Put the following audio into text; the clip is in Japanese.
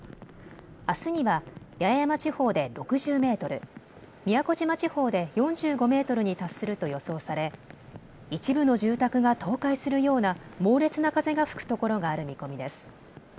あすには八重山地方で６０メートル、宮古島地方で４５メートルに達すると予想され一部の住宅が倒壊するような猛烈な風が吹くところがある見込みです。